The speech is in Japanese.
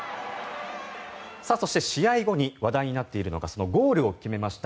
そして試合後に話題になっているのがそのゴールを決めました